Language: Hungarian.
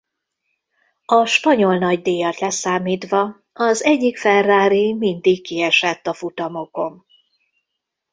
A Spanyol Nagydíjat leszámítva az egyik Ferrari mindig kiesett a futamokon.